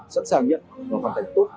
sẵn sàng nhận và hoàn thành tốt